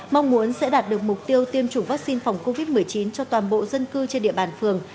mong muốn sẽ đạt được mục tiêu tiêm chủng vaccine phòng covid một mươi chín cho toàn bộ dân cư trên địa bàn phường